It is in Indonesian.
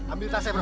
ambil tasnya bro